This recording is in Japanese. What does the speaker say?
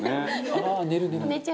「ああ寝る寝る」